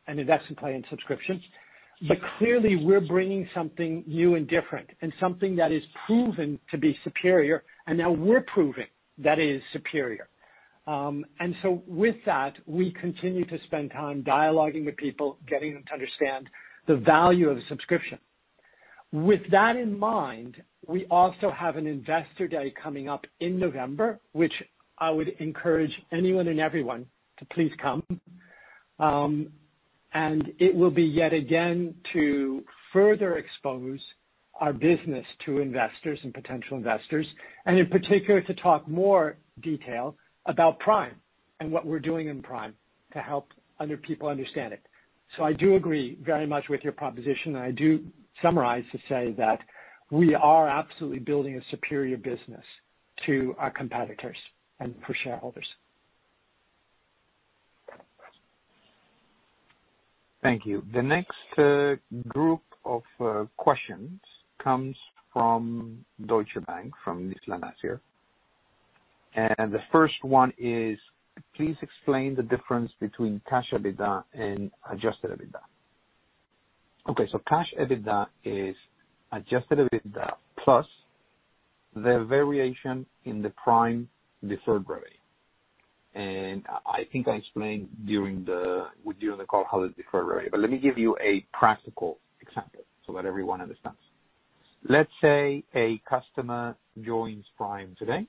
investment play in subscriptions. Clearly, we're bringing something new and different and something that is proven to be superior, and now we're proving that it is superior. With that, we continue to spend time dialoguing with people, getting them to understand the value of subscription. With that in mind, we also have an investor day coming up in November, which I would encourage anyone and everyone to please come. It will be, yet again, to further expose our business to investors and potential investors, and in particular, to talk more detail about Prime and what we're doing in Prime to help other people understand it. I do agree very much with your proposition, and I do summarize to say that we are absolutely building a superior business to our competitors and for shareholders. Thank you. The next group of questions comes from Deutsche Bank, from Miss Lanitier. The first one is, "Please explain the difference between Cash EBITDA and Adjusted EBITDA." Cash EBITDA is Adjusted EBITDA plus the variation in the Prime deferred revenue. I think I explained during the call how the deferred revenue, but let me give you a practical example so that everyone understands. Let's say a customer joins Prime today,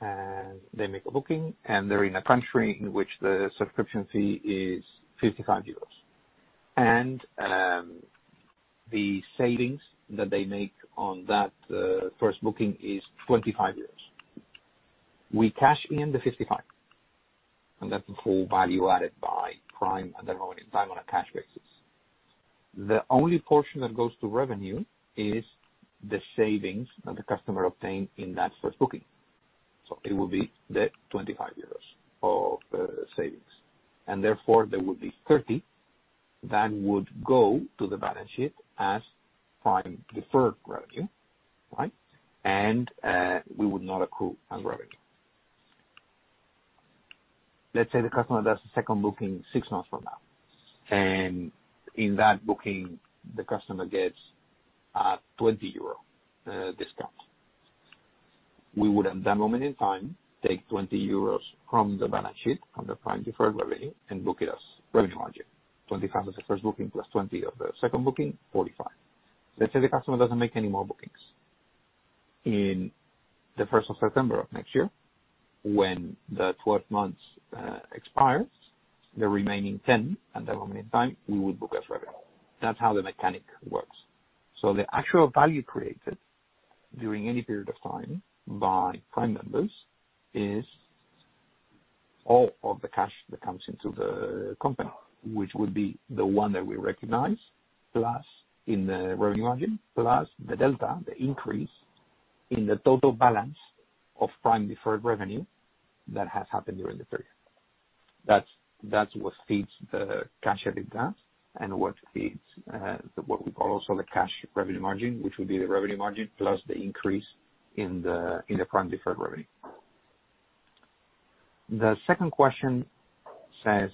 and they make a booking, and they're in a country in which the subscription fee is 55 euros. The savings that they make on that first booking is 25 euros. We cash in the 55, and that's the full value added by Prime at that moment in time on a cash basis. The only portion that goes to revenue is the savings that the customer obtained in that first booking. It will be the 25 euros of savings, and therefore there will be 30 that would go to the balance sheet as Prime deferred revenue. Right? We would not accrue on revenue. Let's say the customer does a secibd booking six months from now, and in that booking, the customer gets a 20 euro discount. We would at that moment in time take 20 euros from the balance sheet, from the Prime deferred revenue, and book it as revenue margin. 25 as the FIRST booking +20 of the second booking, 45. Let's say the customer doesn't make any more bookings. In the 1st of September of next year, when the 12 months expires, the remaining 10 and the remaining time, we will book as revenue. That's how the mechanic works. The actual value created during any period of time by Prime members is all of the cash that comes into the company, which would be the one that we recognize, plus in the Revenue Margin, plus the delta, the increase in the total balance of Prime deferred revenue that has happened during the period. That's what feeds the cash every month and what feeds what we call also the Cash Revenue Margin, which will be the Revenue Margin plus the increase in the Prime deferred revenue. The second question says: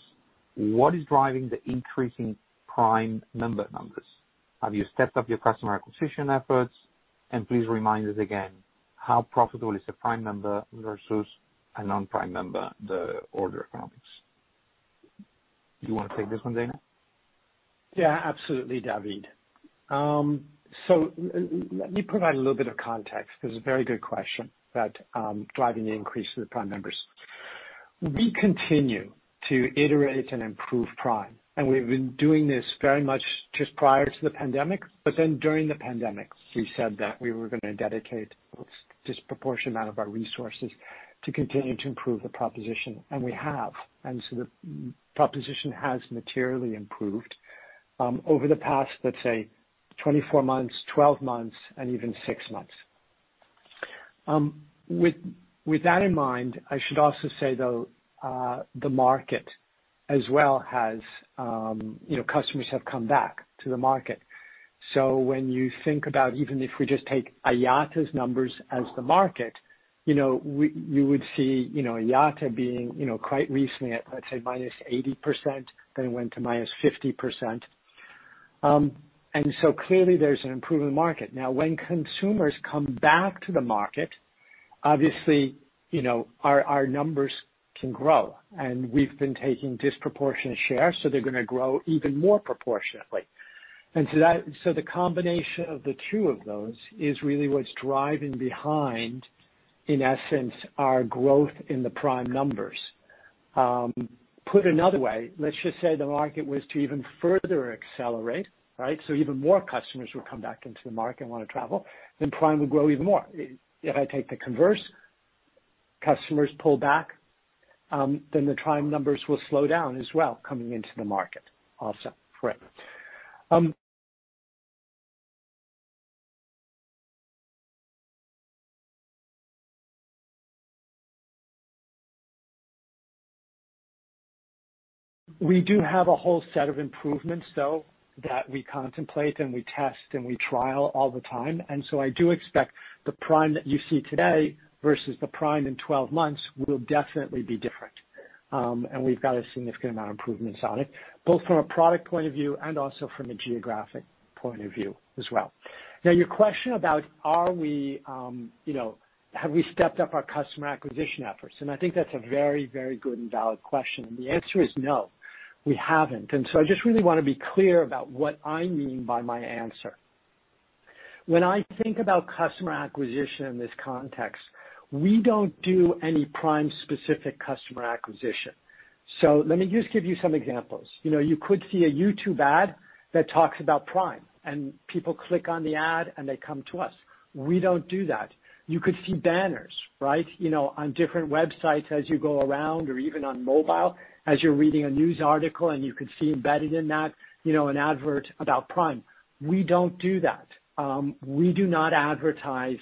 What is driving the increase in Prime member numbers? Have you stepped up your customer acquisition efforts? Please remind us again, how profitable is a Prime member versus a non-Prime member, the order economics? Do you want to take this one, Dana? Yeah, absolutely, David. Let me provide a little bit of context. This is a very good question about driving the increase of the Prime members. We continue to iterate and improve Prime, and we've been doing this very much just prior to the pandemic, but then during the pandemic, we said that we were gonna dedicate a disproportionate amount of our resources to continue to improve the proposition, and we have. The proposition has materially improved, over the past, let's say 24 months, 12 months, and even six months. With that in mind, I should also say, though, the market as well, customers have come back to the market. When you think about even if we just take IATA's numbers as the market, you would see IATA being quite recently at, let's say, -80%, then it went to -50%. Clearly there's an improvement in the market. When consumers come back to the market, obviously, our numbers can grow. We've been taking disproportionate share, so they're gonna grow even more proportionately. The combination of the two of those is really what's driving behind, in essence, our growth in the Prime numbers. Put another way, let's just say the market was to even further accelerate, right? Even more customers would come back into the market and want to travel, then Prime would grow even more. If I take the converse, customers pull back, then the Prime numbers will slow down as well coming into the market also. Great. We do have a whole set of improvements, though, that we contemplate and we test and we trial all the time. I do expect the Prime that you see today versus the Prime in 12 months will definitely be different. We've got a significant amount of improvements on it, both from a product point of view and also from a geographic point of view as well. Now, your question about have we stepped up our customer acquisition efforts? I think that's a very, very good and valid question. The answer is no, we haven't. I just really want to be clear about what I mean by my answer. When I think about customer acquisition in this context, we don't do any Prime-specific customer acquisition. Let me just give you some examples. You could see a YouTube ad that talks about Prime, and people click on the ad, and they come to us. We don't do that. You could see banners, right? On different websites as you go around or even on mobile as you're reading a news article and you could see embedded in that an advert about Prime. We don't do that. We do not advertise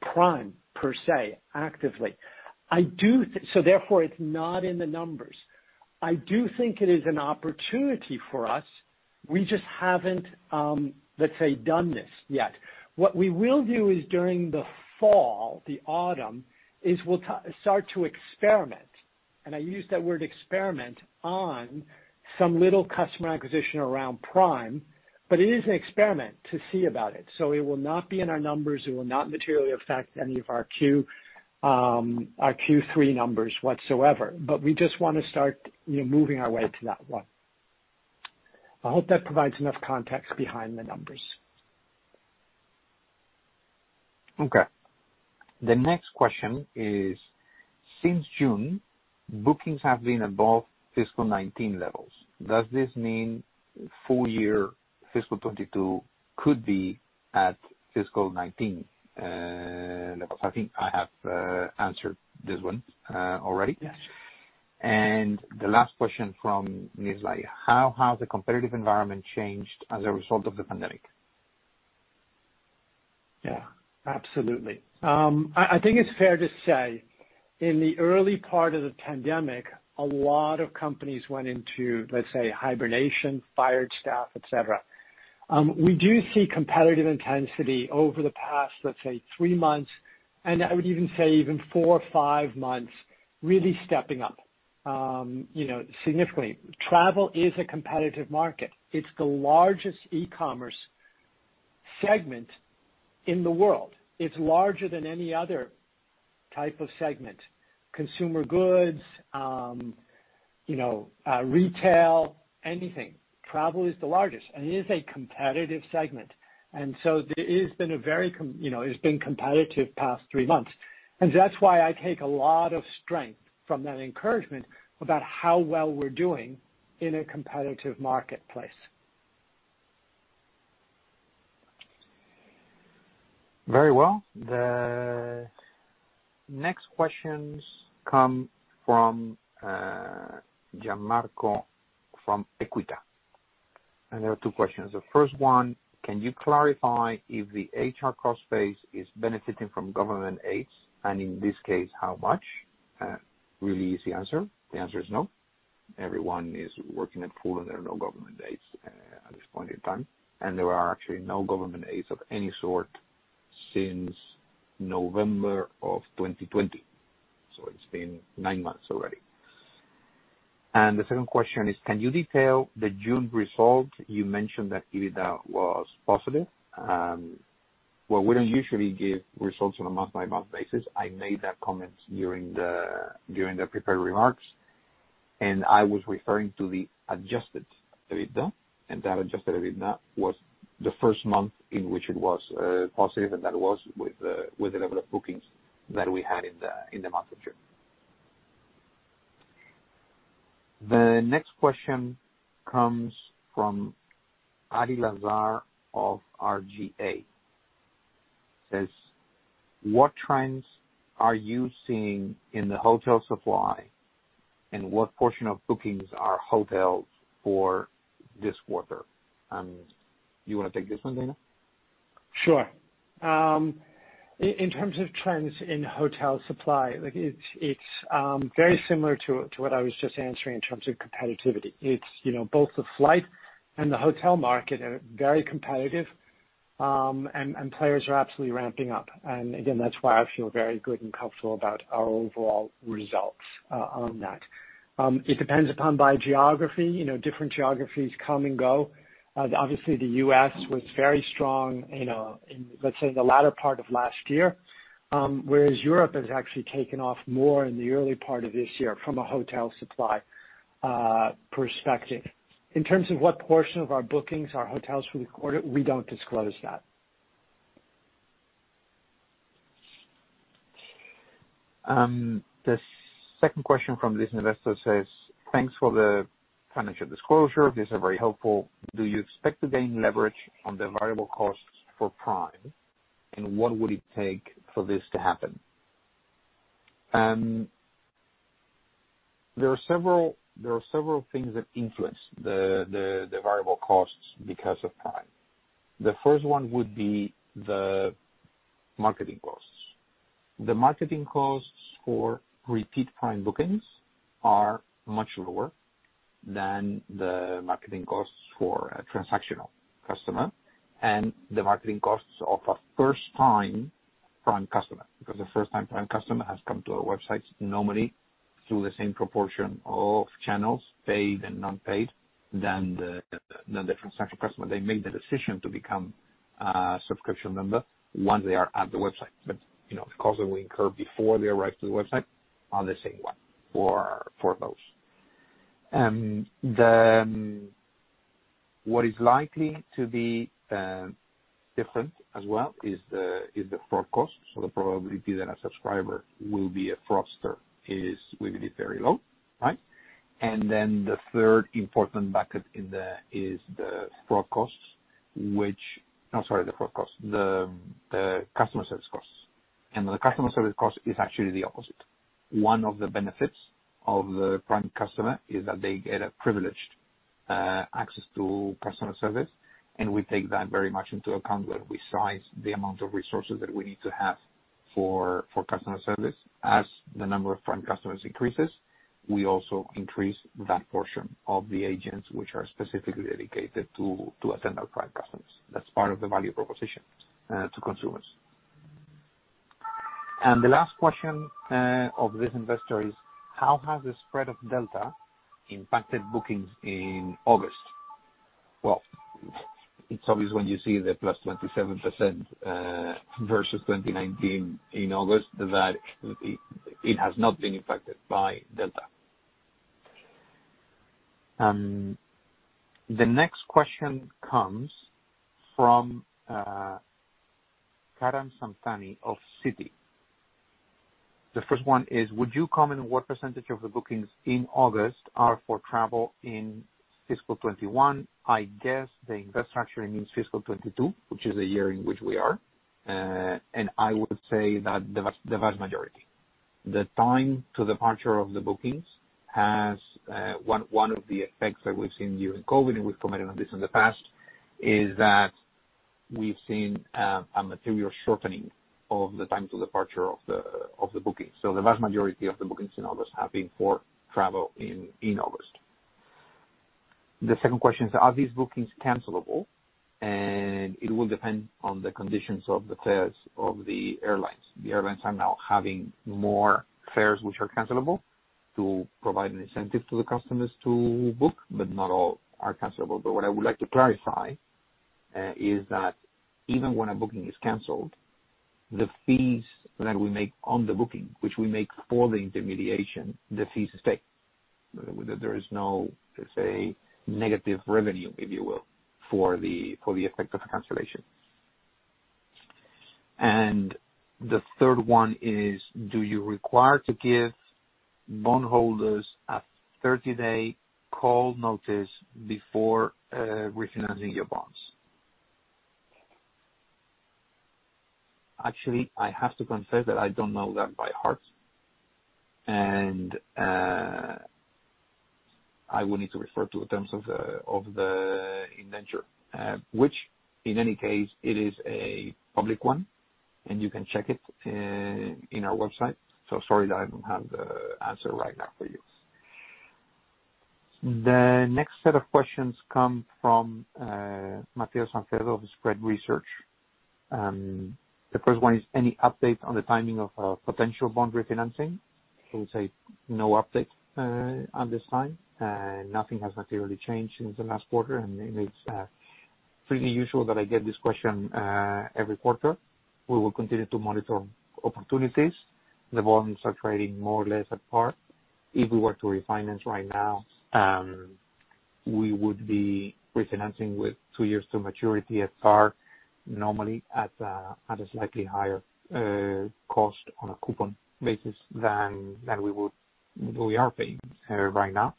Prime per se, actively. Therefore, it's not in the numbers. I do think it is an opportunity for us. We just haven't, let's say, done this yet. What we will do is during the fall, the autumn, is we'll start to experiment, and I use that word experiment, on some little customer acquisition around Prime, but it is an experiment to see about it. It will not be in our numbers. It will not materially affect any of our Q3 numbers whatsoever. We just want to start moving our way to that one. I hope that provides enough context behind the numbers. Okay. The next question is: Since June, bookings have been above fiscal 2019 levels. Does this mean full year fiscal 2022 could be at fiscal '19 levels? I think I have answered this one already. Yes. The last question from Nisley: How has the competitive environment changed as a result of the pandemic? Yeah, absolutely. I think it's fair to say in the early part of the pandemic, a lot of companies went into, let's say, hibernation, fired staff, et cetera. We do see competitive intensity over the past, let's say, three months, and I would even say even four or five months, really stepping up significantly. Travel is a competitive market. It's the largest e-commerce segment in the world. It's larger than any other type of segment, consumer goods, retail, anything. Travel is the largest, and it is a competitive segment. It's been competitive the past three months. That's why I take a lot of strength from that encouragement about how well we're doing in a competitive marketplace. Very well. The next questions come from Gianmarco from Equita. There are two questions. The first one, can you clarify if the HR cost base is benefiting from government aids? In this case, how much? Really easy answer. The answer is no. Everyone is working at full and there are no government aids at this point in time. There are actually no government aids of any sort since November 2020, so it's been nine months already. The second question is, can you detail the June result? You mentioned that EBITDA was positive. Well, we don't usually give results on a month-by-month basis. I made that comment during the prepared remarks, and I was referring to the Adjusted EBITDA, and that Adjusted EBITDA was the first month in which it was positive, and that was with the level of bookings that we had in the month of June. The next question comes from Ari Lazar of RGA, says, "What trends are you seeing in the hotel supply, and what portion of bookings are hotels for this quarter?" You want to take this one, Dana? Sure. In terms of trends in hotel supply, it's very similar to what I was just answering in terms of competitivity. Both the flight and the hotel market are very competitive, players are absolutely ramping up. again, that's why I feel very good and comfortable about our overall results on that. It depends upon by geography. Different geographies come and go. Obviously, the U.S. was very strong in, let's say, the latter part of last year, whereas Europe has actually taken off more in the early part of this year from a hotel supply perspective. In terms of what portion of our bookings are hotels for the quarter, we don't disclose that. The second question from this investor says, "Thanks for the financial disclosure. These are very helpful. Do you expect to gain leverage on the variable costs for Prime, and what would it take for this to happen?" There are several things that influence the variable costs because of Prime. The first one would be the marketing costs. The marketing costs for repeat Prime bookings are much lower than the marketing costs for a transactional customer and the marketing costs of a first-time Prime customer, because a first-time Prime customer has come to our website normally through the same proportion of channels, paid and non-paid, than the transactional customer. They make the decision to become a subscription member once they are at the website. The costs that we incur before they arrive to the website are the same for those. What is likely to be different as well is the fraud cost. The probability that a subscriber will be a fraudster is very low. Right? The third important bucket is the customer service costs. The customer service cost is actually the opposite. One of the benefits of the Prime customer is that they get a privileged access to customer service, and we take that very much into account when we size the amount of resources that we need to have for customer service. As the number of Prime customers increases, we also increase that portion of the agents which are specifically dedicated to attend our Prime customers. That's part of the value proposition to consumers. The last question of this investor is, how has the spread of Delta impacted bookings in August? Well, it is obvious when you see the +27% versus 2019 in August that it has not been impacted by Delta. The next question comes from Karam Santani of Citi. The first one is, would you comment what percentage of the bookings in August are for travel in FY 2021? I guess the investor actually means FY 2022, which is the year in which we are. I would say that the vast majority. One of the effects that we've seen during COVID-19, and we've commented on this in the past, is that we've seen a material shortening of the time to departure of the bookings. The vast majority of the bookings in August have been for travel in August. The second question is, are these bookings cancelable? It will depend on the conditions of the fares of the airlines. The airlines are now having more fares which are cancelable to provide an incentive to the customers to book, but not all are cancelable. What I would like to clarify is that even when a booking is canceled, the fees that we make on the booking, which we make for the intermediation, the fees stay. There is no, let's say, negative revenue, if you will, for the effect of a cancellation. The third one is, do you require to give bondholders a 30-day call notice before refinancing your bonds? Actually, I have to confess that I don't know that by heart. I will need to refer to the terms of the indenture, which in any case, it is a public one, and you can check it in our website. Sorry that I don't have the answer right now for you. The next set of questions come from Matteo Sanfedo of Spread Research. The first one is, "Any update on the timing of a potential bond refinancing?" I would say no update at this time. Nothing has materially changed since the last quarter, and it's pretty usual that I get this question every quarter. We will continue to monitor opportunities. The bonds are trading more or less at par. If we were to refinance right now, we would be refinancing with two years to maturity at par, normally at a slightly higher cost on a coupon basis than we are paying right now.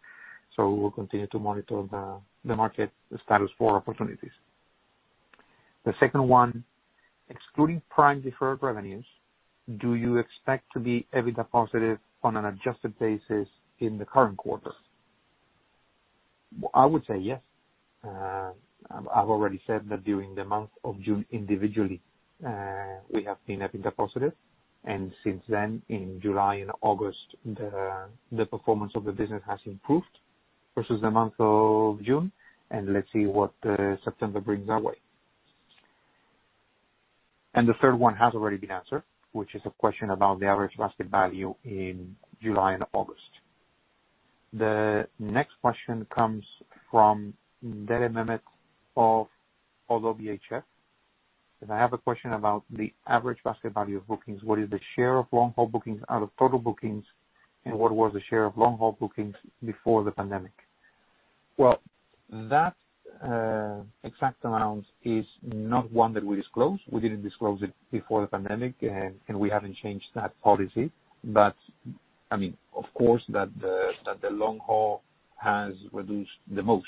We will continue to monitor the market status for opportunities. The second one, "Excluding Prime deferred revenues, do you expect to be EBITDA positive on an Adjusted basis in the current quarter?" I would say yes. I've already said that during the month of June individually, we have been EBITDA positive. Since then, in July and August, the performance of the business has improved versus the month of June. Let's see what September brings our way. The third one has already been answered, which is a question about the average basket value in July and August. The next question comes from Derek Mehmet of Oddo BHF. I have a question about the average basket value of bookings. What is the share of long-haul bookings out of total bookings? What was the share of long-haul bookings before the pandemic? Well, that exact amount is not one that we disclose. We didn't disclose it before the pandemic. We haven't changed that policy. Of course, that the long haul has reduced the most.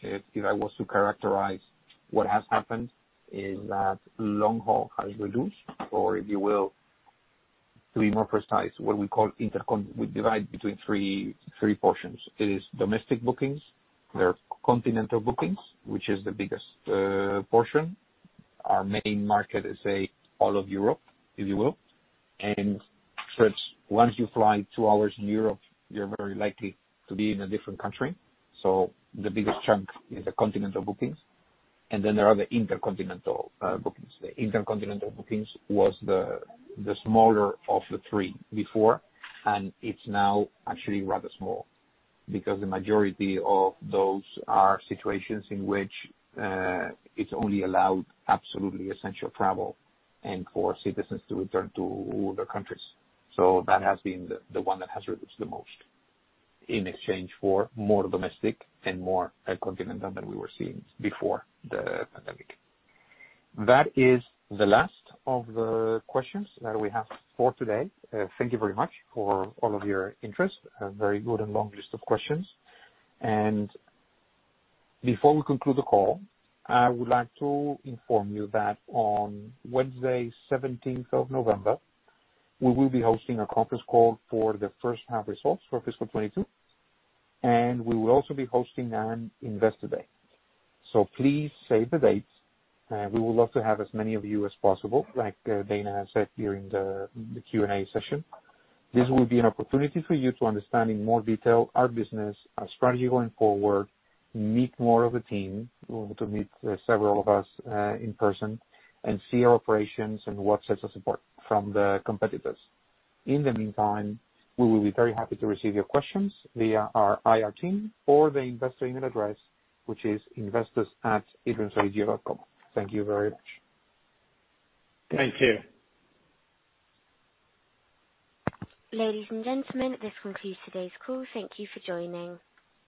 If I was to characterize what has happened is that long haul has reduced, or if you will, to be more precise, what we call intercon. We divide between three portions. It is domestic bookings, there are continental bookings, which is the biggest portion. Our main market is all of Europe, if you will. Once you fly two hours in Europe, you're very likely to be in a different country. The biggest chunk is the continental bookings. Then there are the intercontinental bookings. The intercontinental bookings was the smaller of the three before, and it's now actually rather small because the majority of those are situations in which it's only allowed absolutely essential travel and for citizens to return to their countries. That has been the one that has reduced the most in exchange for more domestic and more continental than we were seeing before the pandemic. That is the last of the questions that we have for today. Thank you very much for all of your interest. A very good and long list of questions. Before we conclude the call, I would like to inform you that on Wednesday, 17th of November, we will be hosting a conference call for the first half results for fiscal 2022, and we will also be hosting an investor day. Please save the dates. We would love to have as many of you as possible, like Dana said during the Q&A session. This will be an opportunity for you to understand in more detail our business, our strategy going forward, meet more of the team, you will be able to meet several of us in person, and see our operations and what sets us apart from the competitors. In the meantime, we will be very happy to receive your questions via our IR team or the investor email address, which is investors@edreamsodigeo.com. Thank you very much. Thank you. Ladies and gentlemen, this concludes today's call. Thank you for joining.